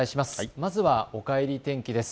まずは、おかえり天気です。